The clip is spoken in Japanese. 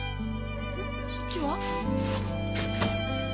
そっちは？